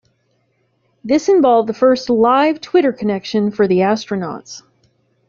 This involved the first "live" Twitter connection for the astronauts.